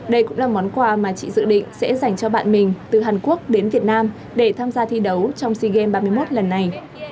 đây cũng là món quà mà chị dự định sẽ dành cho bạn mình từ hàn quốc đến việt nam để tham gia thi đấu trong sea games ba mươi một lần này